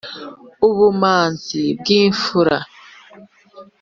ubumanzi bw’imfura